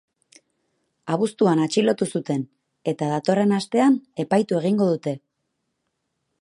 Abuztuan atxilotu zuten eta datorren astean epaitu egingo dute.